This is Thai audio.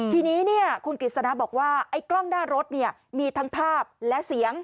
ทีนี้คุณกฤษณะบอกว่าไอ้กล้องหน้ารถมีทั้งภาพและเสียง